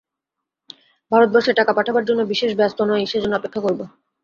ভারতবর্ষে টাকা পাঠাবার জন্য বিশেষ ব্যস্ত নই, সেজন্য অপেক্ষা করব।